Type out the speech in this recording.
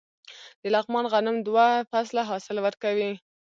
د لغمان غنم دوه فصله حاصل ورکوي.